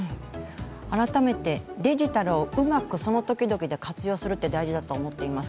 改めてデジタルをうまくその時々で活用するって大事だと思っています。